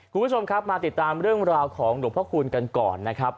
คุณผู้ชมครับมาติดตามเรื่องราวของหลวงพระคูณกันก่อนนะครับ